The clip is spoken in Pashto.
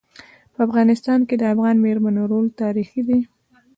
په افغانستان کي د افغان میرمنو رول تاریخي دی.